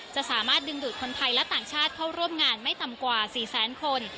จะสามารถดึงดูดคนไทยและต่างชาติเข้าร่วมงานไม่ต่ำกว่า๔แสนคน